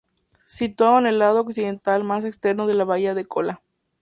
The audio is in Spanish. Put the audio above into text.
Situado en el lado occidental más externo de la Bahía de Kola.